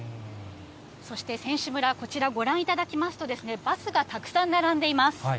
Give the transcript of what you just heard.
そして選手村、こちらご覧いただきますと、バスがたくさん並んでいます。